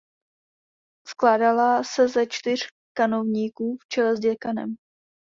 Skládala se ze čtyř kanovníků v čele s děkanem.